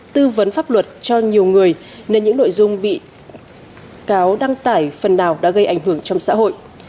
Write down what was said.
tư vấn pháp luật cho nhiều người nên những nội dung bị cáo đăng tải phần nào đã gây ảnh hưởng trong xã hội